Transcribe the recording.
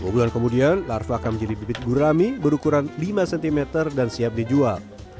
dua bulan kemudian larva akan menjadi bibit gurami berukuran lima cm dan siap dijual